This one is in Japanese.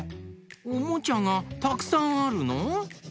おもちゃがたくさんあるの！？